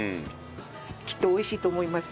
きっと美味しいと思います。